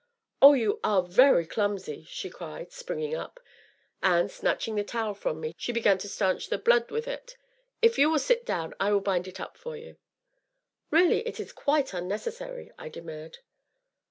"Oh, you are very clumsy!" she cried, springing up, and, snatching the towel from me, she began to stanch the blood with it. "If you will sit down, I will bind it up for you." "Really, it is quite unnecessary," I demurred.